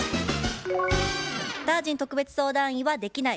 タージン特別相談員は「できない」